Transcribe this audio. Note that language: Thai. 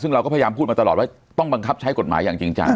ซึ่งเราก็พยายามพูดมาตลอดว่าต้องบังคับใช้กฎหมายอย่างจริงจัง